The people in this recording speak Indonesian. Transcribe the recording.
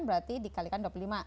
berarti dikalikan dua puluh lima